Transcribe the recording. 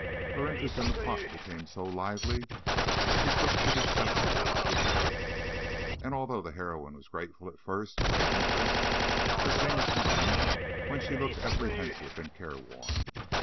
Her interest in the plot became so lively that she took to discussing it with Harriet; and although the heroine was grateful at first for her interest, there came a time when she looked apprehensive and careworn.